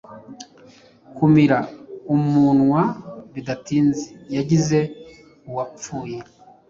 Kumira umunwa bidatinze yagize uwapfuye